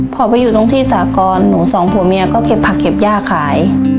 พอไปอยู่ตรงที่สากรหนูสองผัวเมียก็เก็บผักเก็บย่าขาย